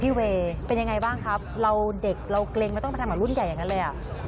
เวย์เป็นยังไงบ้างครับเราเด็กเราเกรงไม่ต้องไปทำกับรุ่นใหญ่อย่างนั้นเลยอ่ะ